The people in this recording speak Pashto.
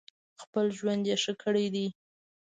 خپل ژوند یې ښه کړی دی.